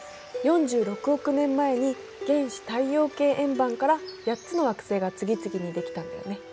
４６億年前に原始太陽系円盤から８つの惑星が次々にできたんだよね。